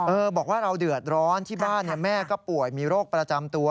บอกว่าเราเดือดร้อนที่บ้านเนี่ยแม่ก็ป่วยมีโรคประจำตัว